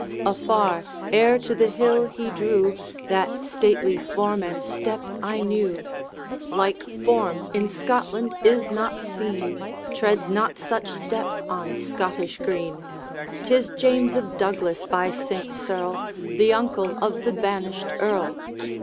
Afar, ere to the hill he drew, That stately form and step I knew; Like form in Scotland is not seen, Treads not such step on Scottish green. 'Tis James of Douglas, by Saint Serle! The uncle of the banished Earl.